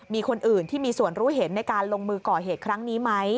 มีคนอื่นที่มีส่วนรู้เห็นในการลงมือก่อเหตุครั้งนี้ไหม